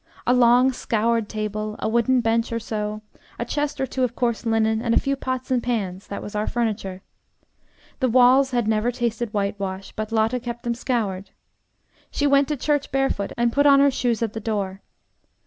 A long, scoured table, a wooden bench or so, a chest or two of coarse linen, and a few pots and pans that was our furniture. The walls had never tasted whitewash, but Lotte kept them scoured. She went to church barefoot, and put on her shoes at the door.